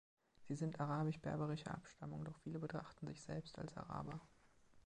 Sie sind arabisch-berberischer Abstammung, doch viele betrachten sich selbst als Araber.